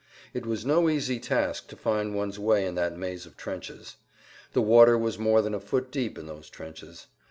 It was no easy task to find one's way in that maze of trenches. The water was more than a foot deep in those trenches.